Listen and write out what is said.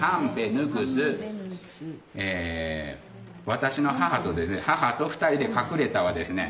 「私の母と」で「母と２人で隠れた」はですね